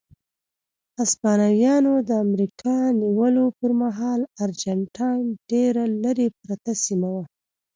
هسپانویانو د امریکا نیولو پر مهال ارجنټاین ډېره لرې پرته سیمه وه.